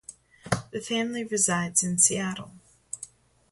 The family resides in Seattle.